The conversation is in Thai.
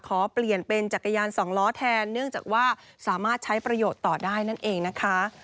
ขอเปลี่ยนเป็นจักรยานสองล้อแทนเนื่องจากว่าสามารถใช้ประโยชน์ต่อได้นั่นเองนะคะ